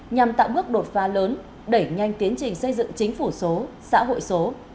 nhằm tạo bước đột phá lớn đẩy nhanh tiến trình xây dựng chính phủ số